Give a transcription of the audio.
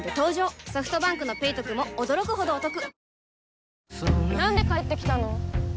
ソフトバンクの「ペイトク」も驚くほどおトク